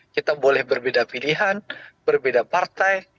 kita boleh berbeda pilihan berbeda partai